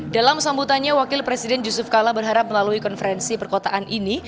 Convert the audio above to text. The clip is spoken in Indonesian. dalam sambutannya wakil presiden yusuf kala berharap melalui konferensi perkotaan ini